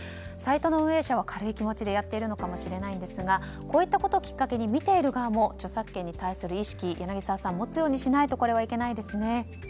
サイトの運営者は軽い気持ちでやっているのかもしれないんですがこういったことをきっかけに見ている側も著作権に対する意識を持つようにしないといけないですね。